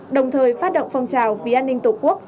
đồng thời phát động phong trào vì an ninh tổ quốc